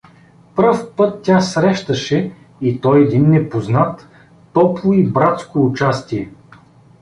Пръв път тя срещаше, и то един непознат, топло и братско участие.